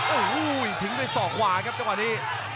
โอ้โหทิ้งด้วยศอกขวาครับจังหวะนี้